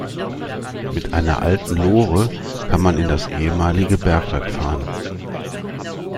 Mit einer alten Lore kann man in das ehemalige Bergwerk fahren.